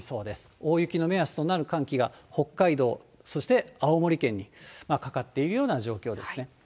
大雪の目安となる寒気が、北海道、そして青森県にかかっているような状況ですね。